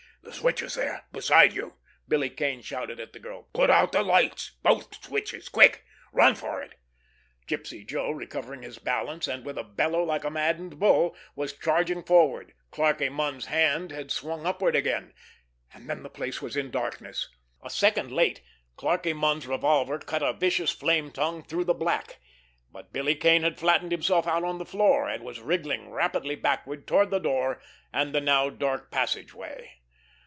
"The switches there—beside you!" Billy Kane shouted at the girl. "Put out the lights—both switches! Quick! Run for it!" Gypsy Joe, recovering his balance, and with a bellow like a maddened bull was charging forward; Clarkie Munn's hand had swung upward again—and then the place was in darkness. A second late, Clarkie Munn's revolver cut a vicious flame tongue through the black, but Billy Kane had flattened himself out on the floor, and was wriggling rapidly backward toward the door and the now dark passageway.